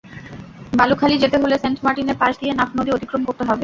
বালুখালী যেতে হলে সেন্ট মার্টিনের পাশ দিয়ে নাফ নদী অতিক্রম করতে হবে।